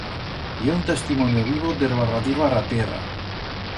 Ye un testimonio vivo de ro arradigo a ra tierra.